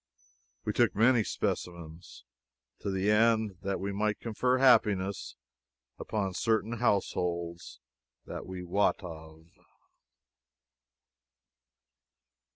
We took many specimens, to the end that we might confer happiness upon certain households that we wot of.